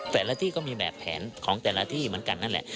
แต่ละที่ก็มีแบบแผนของแต่ละที่เหมือนกันนั่นแหละ